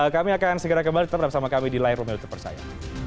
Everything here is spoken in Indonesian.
kami akan segera kembali tetap bersama kami di live room yotir persaya